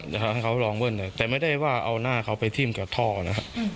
ให้เขาลองเบิ้ลแต่ไม่ได้ว่าเอาหน้าเขาไปทิ้มกับท่อนะครับ